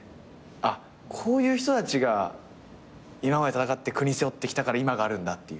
あっこういう人たちが今まで戦って国背負ってきたから今があるんだっていう。